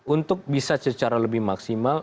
untuk bisa secara lebih maksimal